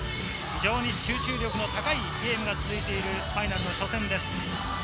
集中力の高いゲームが続いているファイナルの初戦。